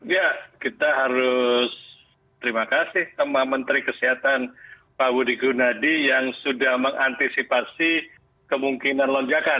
ya kita harus terima kasih sama menteri kesehatan pak budi gunadi yang sudah mengantisipasi kemungkinan lonjakan